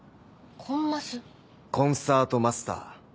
コンサートマスター。